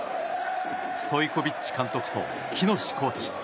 ストイコビッチ監督と喜熨斗コーチ。